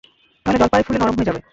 তাহলে জলপাই ফুলে নরম হয়ে যাবে।